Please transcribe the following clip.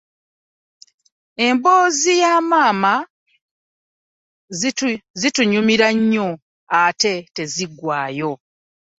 Emboozi za maama zitunyumira nnyo ate teziggwaayo.